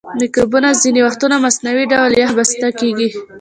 مکروبونه ځینې وختونه مصنوعي ډول یخ بسته کیږي.